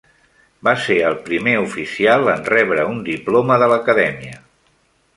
Va ser el primer oficial en rebre un diploma de l'acadèmia.